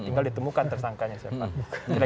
tinggal ditemukan tersangkanya siapa